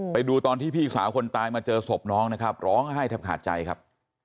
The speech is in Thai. ไปดูตอนที่พี่สาวคนตายมาเจอศพน้องนะครับร้องไห้แทบขาดใจครับ